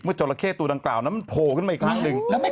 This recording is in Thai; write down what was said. เมื่อจอละเข้ตูดังกล่าวนั้นมันโผล่ขึ้นมาอีกครั้งนึง